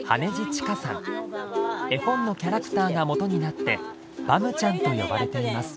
絵本のキャラクターがもとになって「バムちゃん」と呼ばれています。